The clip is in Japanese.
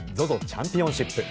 チャンピオンシップ。